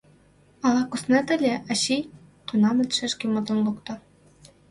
— Ала куснет ыле, ачий? — тунамат шешке мутым лукто.